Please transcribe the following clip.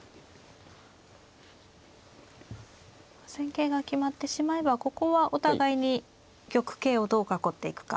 戦型が決まってしまえばここはお互いに玉形をどう囲っていくか。